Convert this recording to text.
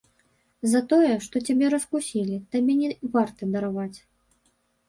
За тое, што цябе раскусілі, табе не варта дараваць.